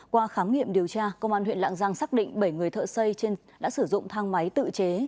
qua khám nghiệm điều tra công an huyện lạng giang xác định bảy người thợ xây trên đã sử dụng thang máy tự chế